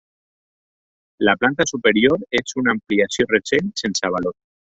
La planta superior és una ampliació recent, sense valor.